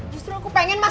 justru aku pengen mas